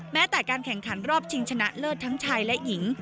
แม้แต่การแข่งขันรอบชิงชนะเลิศทั้งชายและหญิง